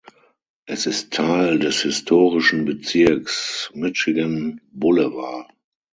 Es ist Teil des historischen Bezirks "Michigan Boulevard".